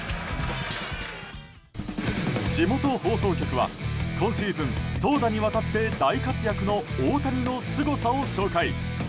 地元放送局は今シーズン投打にわたって大活躍の大谷のすごさを紹介。